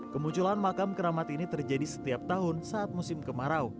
kemunculan makam keramat ini terjadi setiap tahun saat musim kemarau